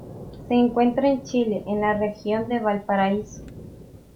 Se encuentra en Chile en la región de Valparaíso.